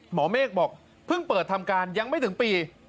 หมอเมฆบอกเพิ่งเปิดทำการยังไม่ถึงปี